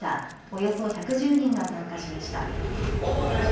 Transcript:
およそ１１０人が参加しました。